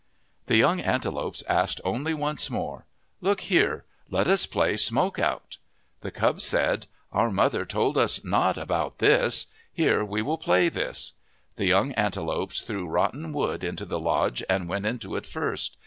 The young antelopes asked only once more, " Look here ! Let us play ' smoke out.' The cub said, " Our mother told us not about this. Here we will play this." The young antelopes threw rotten wood into the lodge, and went into it first.